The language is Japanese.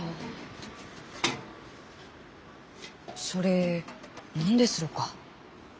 それ何ですろうか？